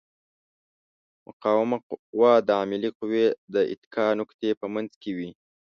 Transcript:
مقاومه قوه د عاملې قوې او د اتکا نقطې په منځ کې وي.